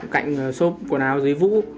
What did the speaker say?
cạnh xốp quần áo dưới vũ